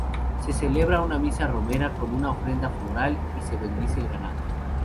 Se celebra una misa romera con una ofrenda floral y se bendice el ganado.